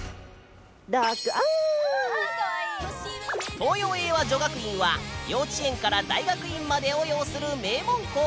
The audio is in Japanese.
東洋英和女学院は幼稚園から大学院までを擁する名門校。